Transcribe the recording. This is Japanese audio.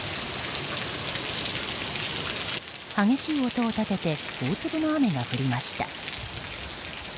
激しい音を立てて大粒の雨が降りました。